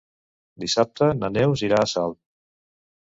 Dissabte na Neus irà a Salt.